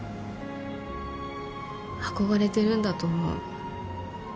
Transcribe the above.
憧れてるんだと思う。